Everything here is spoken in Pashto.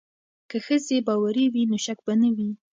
که ښځې باوري وي نو شک به نه وي.